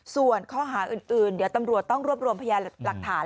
ส่วนข้อหาอื่นเดี๋ยวตำรวจต้องรวบรวมพยานหลักฐาน